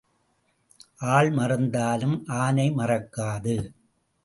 ஆள் மறந்தாலும் ஆனை மறக்காது.